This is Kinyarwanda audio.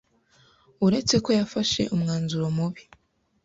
uretse ko yafashe umwanzuro mubi